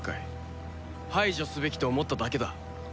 排除すべきと思っただけだ。